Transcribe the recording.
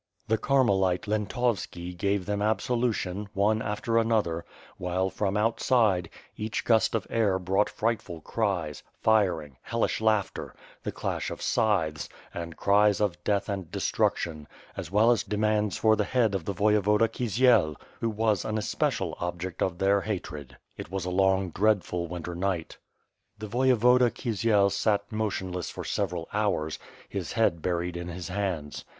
The Carmelite Jjentovski gave them absolution, one after another, while, from outside, each gust of air brought frightful cries, firing, hellish laughter, the clash of scythes, and cries of death and destruction, as well as demands for the head of the Voye voda Kisiel, who was an especial object of their hatred. It was a long, dreadful, winter night. The Voyevoda Kisiei 586 WIT a FIRE AND HWOHD, ^gj sat motionless for several hours, his head buried in his hands.